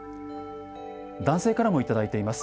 男性からも頂いています。